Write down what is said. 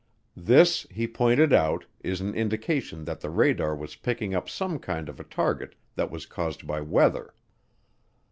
This, he pointed out, is an indication that the radar was picking up some kind of a target that was caused by weather.